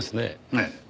ええ。